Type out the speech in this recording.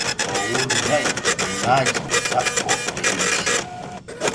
Oo woodi na’i buunaaji sappo e ɗiɗi.